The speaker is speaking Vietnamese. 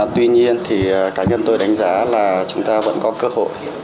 tuy nhiên thì cá nhân tôi đánh giá là chúng ta vẫn có cơ hội